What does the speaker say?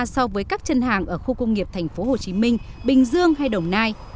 so với các chân hàng ở khu công nghiệp tp hcm bình dương hay đồng nai